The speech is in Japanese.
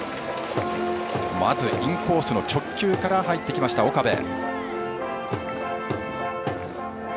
まずインコースの直球から入ってきた岡部。